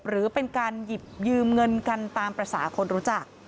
หรือเป็นการหยิบยืมเงินกันตามภาษาคนรู้จัก